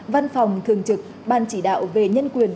văn phòng thường trực ban chỉ đạo về nhân quyền